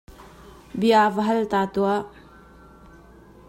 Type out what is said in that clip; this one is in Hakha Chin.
Bia va hal ta tuah!